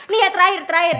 nih ya terakhir terakhir